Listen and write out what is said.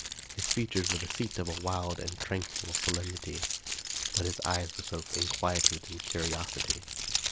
His features were the seat of a wild and tranquil solemnity, but his eyes bespoke inquietude and curiosity.